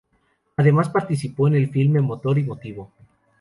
Además, participó en el filme "Motor y motivo".